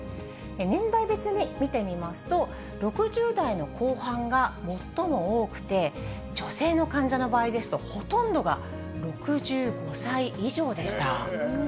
年代別で見てみますと、６０代の後半が最も多くて、女性の患者の場合ですと、ほとんどが６５歳以上でした。